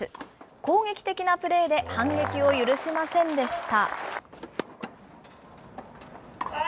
攻撃的なプレーで反撃を許しませんでした。